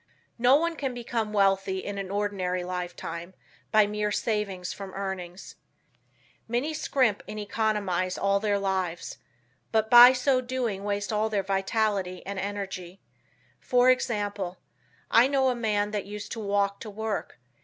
No one can become wealthy in an ordinary lifetime, by mere savings from earnings. Many scrimp and economize all their lives; but by so doing waste all their vitality and energy. For example, I know a man that used to walk to work.